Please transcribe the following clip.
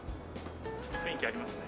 雰囲気ありますね。